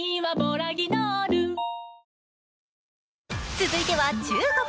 続いては中国。